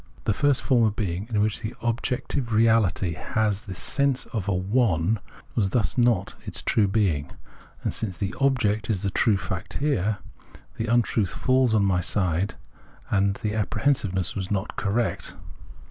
The first form of being, in which the objective reahty has the sense of a " one," was thus not its true being ; and since the object is the true fact here, the untruth falls on my side, and the apprehension was not correct.